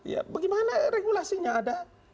ya bagaimana regulasinya ada